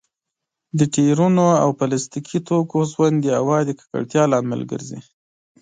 د ټايرونو او پلاستيکي توکو سون د هوا د ککړتيا لامل ګرځي.